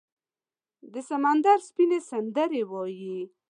د سمندر سپینې، سندرې وایې